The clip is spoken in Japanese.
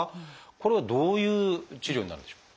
これはどういう治療になるんでしょう？